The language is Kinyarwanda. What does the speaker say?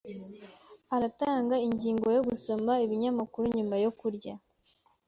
Aratanga ingingo yo gusoma ibinyamakuru nyuma yo kurya.